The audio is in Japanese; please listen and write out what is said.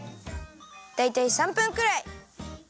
だいたい３分くらい！